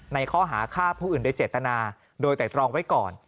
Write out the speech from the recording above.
ในข้อหาฆ่าผู้อื่นโดยเจตนาโดยไตรตรองไว้ก่อน